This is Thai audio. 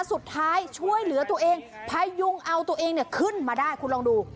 สุดท้ายช่วยเหลือตัวเองพยุงเอาตัวเองเนี่ยขึ้นมาได้คุณลองดู